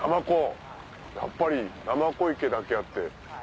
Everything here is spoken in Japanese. やっぱりなまこ池だけあって。